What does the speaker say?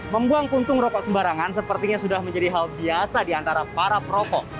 membuang puntung rokok sembarangan sepertinya sudah menjadi hal biasa di antara para perokok